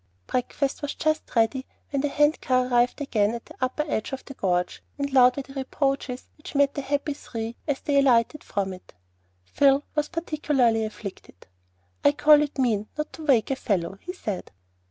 Breakfast was just ready when the hand car arrived again at the upper end of the gorge, and loud were the reproaches which met the happy three as they alighted from it. Phil was particularly afflicted. "I call it mean not to wake a fellow," he said.